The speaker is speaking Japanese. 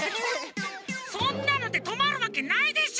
そんなのでとまるわけないでしょ！